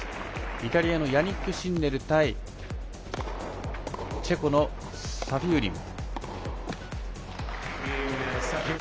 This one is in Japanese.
イタリアのヤニック・シンネル対チェコのサフィウリン。